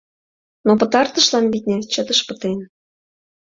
Но пытартышлан, витне, чытыш пытен...